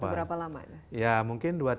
berapa lama ya mungkin dua tiga